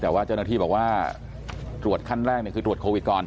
แต่ว่าเจ้าหน้าที่บอกว่าตรวจขั้นแรกคือตรวจโควิดก่อน